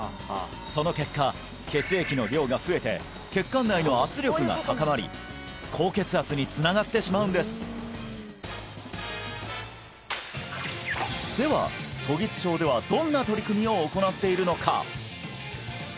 その結果血液の量が増えて血管内の圧力が高まり高血圧につながってしまうんですでは時津町ではどんな取り組みを行っているのか？